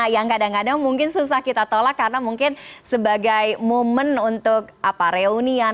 yang kadang kadang mungkin susah kita tolak karena mungkin sebagai momen untuk reunian